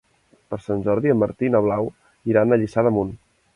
Per Sant Jordi en Martí i na Blau iran a Lliçà d'Amunt.